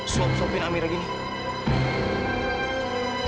suap suapin amira gini